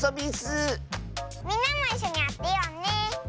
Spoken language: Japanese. みんなもいっしょにあてようねえ。